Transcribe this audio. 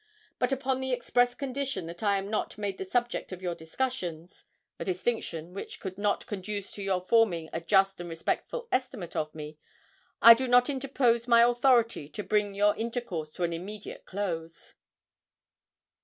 But upon the express condition that I am not made the subject of your discussions a distinction which could not conduce to your forming a just and respectful estimate of me I do not interpose my authority to bring your intercourse to an immediate close.'